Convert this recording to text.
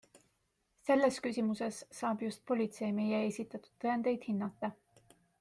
Selles küsimuses saab just politsei meie esitatud tõendeid hinnata.